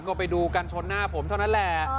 ก็ไปดูกันชนหน้าผมเท่านั้นแหละ